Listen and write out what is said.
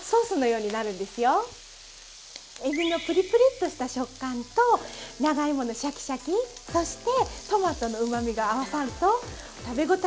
えびのプリプリッとした食感と長芋のシャキシャキそしてトマトのうまみが合わさると食べごたえ満点なんです。